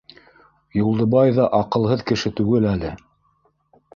Юлдыбай ҙа аҡылһыҙ кеше түгел әле.